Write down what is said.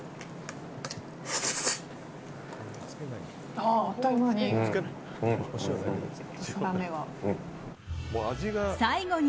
あっという間に。